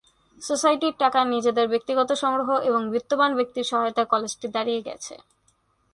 সোসাইটির টাকা, নিজেদের ব্যক্তিগত সংগ্রহ এবং বিত্তবান ব্যক্তিদের সহায়তায় কলেজটি দাঁড়িয়ে গেছে।